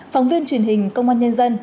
phóng viên truyền hình công an nhân dân